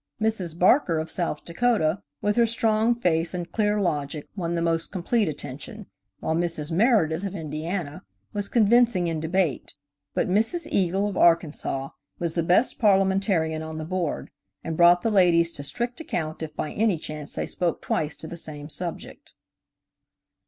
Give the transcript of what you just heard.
Mrs. Barker, of South Dakota, with her strong face and clear logic won the most complete attention, while Mrs. Meredith, of Indiana, was convincing in debate; but Mrs. Eagle, of Arkansas, was the best parliamentarian on the Board, and brought the ladies to strict account if by any chance they spoke twice to the same subject.